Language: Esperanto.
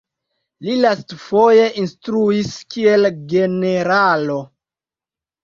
Li lastfoje instruis kiel generalo.